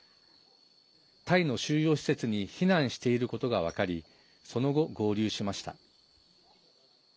タイの収容施設に避難していることが分かりその後、合流しました。